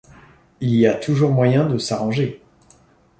Il y a toujours moyen de s’arranger.